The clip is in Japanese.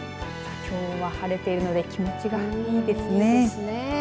きょうは晴れているので気持ちがいいですね。